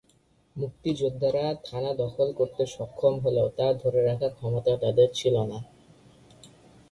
মুক্তিযোদ্ধারা থানা দখল করতে সক্ষম হলেও তা ধরে রাখার ক্ষমতা তাদের ছিল না।